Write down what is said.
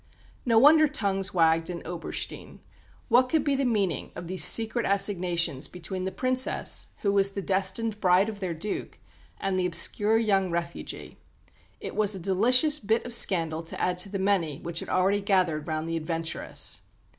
No wonder tongues wagged in Oberstein. What could be the meaning of these secret assignations between the Princess, who was the destined bride of their Duke, and the obscure young refugee? It was a delicious bit of scandal to add to the many which had already gathered round the "adventuress."